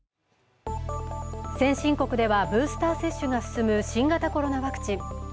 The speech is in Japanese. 先進国ではブースター接種が進む新型コロナワクチン。